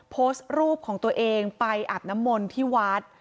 โพสต์รูปของตัวเองไปอาบน้ำมนต์ที่วัด